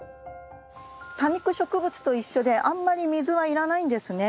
多肉植物と一緒であんまり水はいらないんですね。